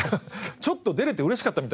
ちょっと出られて嬉しかったみたいな。